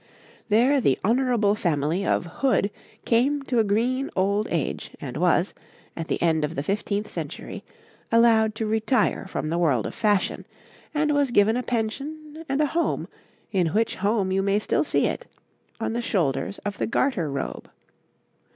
There the honourable family of hood came to a green old age, and was, at the end of the fifteenth century, allowed to retire from the world of fashion, and was given a pension and a home, in which home you may still see it on the shoulders of the Garter robe.